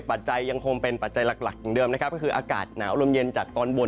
ปัจจัยยังคงเป็นปัจจัยหลักเหมือนเดิมนะครับก็คืออากาศหนาวลมเย็นจากตอนบน